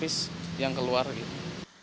empat piece yang keluar gitu